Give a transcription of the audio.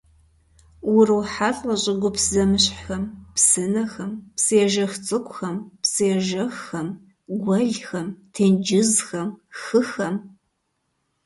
УрохьэлӀэ щӀыгупс зэмыщхьхэм: псынэхэм, псыежэх цӀыкӀухэм, псыежэххэм, гуэлхэм, тенджызхэм, хыхэм.